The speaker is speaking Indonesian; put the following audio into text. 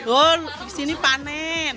oh di sini panen